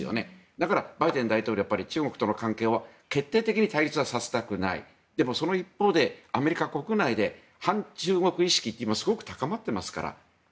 だからバイデン大統領は中国との関係を決定的に対立はさせたくないでもその一方でアメリカ国内で反中国意識って今、すごく高まっていますから。